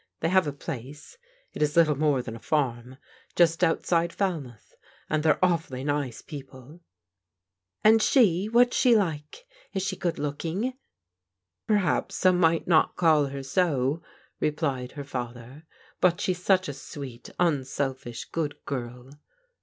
They have a place — it is little more than a farm — ^just outside Fal mouth, and they're awfully nice people !" "And she? — what's she like? Is she good looking?" "Perhaps some might not call her so," replied her father, " but she's such a sweet, tmselfish, good girl